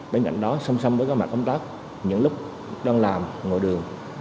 bên cạnh đó song song với các mặt công tác những lúc đang làm ngồi đường